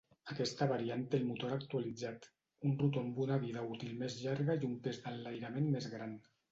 Aquesta variant té el motor actualitzat, un rotor amb una vida útil més llarga i un pes d'enlairament més gran.